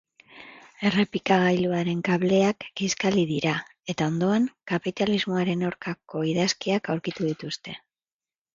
Errepikagailuaren kableak kiskali dira, eta ondoan, kapitalismoaren aurkako idazkiak aurkitu dituzte.